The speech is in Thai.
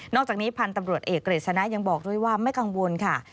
อกจากนี้พันธุ์ตำรวจเอกเกรษณะยังบอกด้วยว่าไม่กังวลค่ะ